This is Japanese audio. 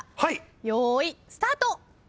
よーいスタート！